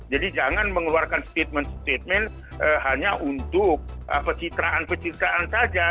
jadi jangan mengeluarkan statement statement hanya untuk pesitraan pesitraan saja